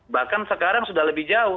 bahkan sekarang sudah lebih jauh